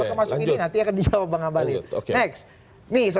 apakah masuk ini nanti akan dijawab bang ambari